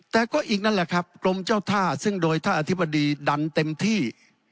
แต่ก็อีกนั่นแหละครับกรมเจ้าท่าซึ่งโดยท่านอธิบดีดันเต็มที่